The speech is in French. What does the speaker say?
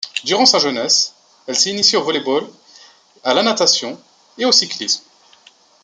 Durant sa jeunesse, elle s'est initiée au volleyball, à la natation et au cyclisme.